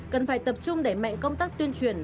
cần phải tập trung đẩy mạnh công tác tuyên truyền